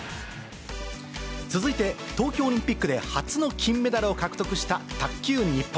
続いて、東京オリンピックで初の金メダルを獲得した卓球日本。